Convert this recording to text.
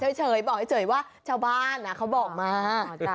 เฉยบอกเฉยว่าชาวบ้านเขาบอกมา